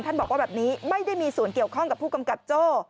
บอกว่าแบบนี้ไม่ได้มีส่วนเกี่ยวข้องกับผู้กำกับโจ้